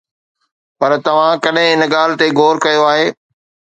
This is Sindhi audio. پر توهان ڪڏهن ان ڳالهه تي غور ڪيو آهي؟